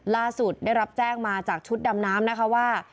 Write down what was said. ล่าสุดได้รับแจ้งมาจากชุดดำน้ำว่า